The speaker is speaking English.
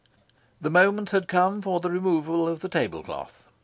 The moment had come for the removal of the table cloth.